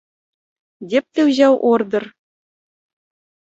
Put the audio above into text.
Дзе б ты ўзяў ордэр?